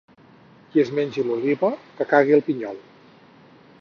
Qui es mengi l'oliva, que cagui el pinyol.